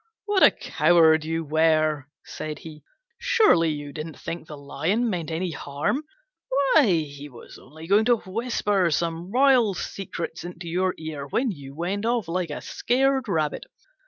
"What a coward you were," said he; "surely you didn't think the Lion meant any harm? Why, he was only going to whisper some royal secrets into your ear when you went off like a scared rabbit.